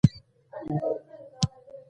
دا د هغوی د کرامت رعایت کول دي.